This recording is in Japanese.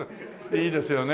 いいですよね。